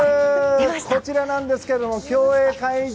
こちらなんですけども競泳会場